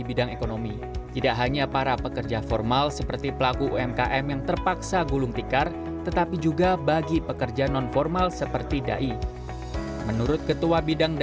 bagaimana cara pekerjaan non formal di indonesia